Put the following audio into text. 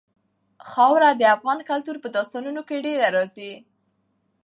خاوره د افغان کلتور په داستانونو کې ډېره راځي.